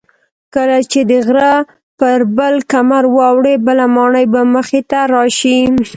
کله چې د غره پر بل کمر واوړې بله ماڼۍ به مخې ته راشي.